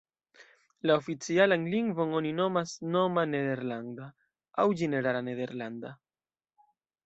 La oficialan lingvon oni nomas Norma Nederlanda, aŭ Ĝenerala Nederlanda.